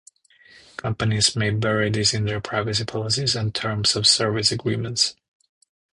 Companies may bury this in their privacy policies and terms of service agreements.